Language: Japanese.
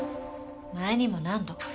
前にも何度か。